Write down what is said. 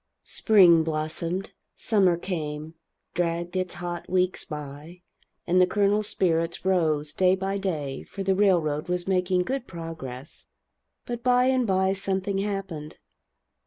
Spring blossomed, summer came, dragged its hot weeks by, and the Colonel's spirits rose, day by day, for the railroad was making good progress. But by and by something happened.